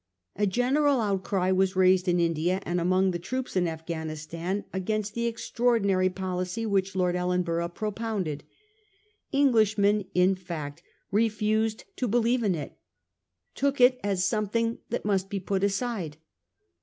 A general outcry was raised in India and among the troops in AJghanistan against the extraordinary policy which Lord Ellen borough propounded. Englishmen, in fact, refused to believe in it ; took it as something that must be put aside.